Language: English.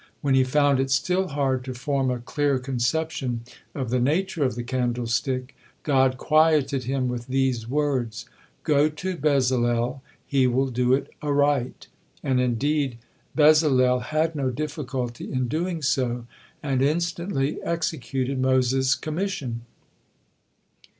When he found it still hard to form a clear conception of the nature of the candlestick, God quieted him with these words" "Go to Bezalel, he will do it aright." And indeed, Bezalel had no difficulty in doing so, and instantly executed Moses' commission.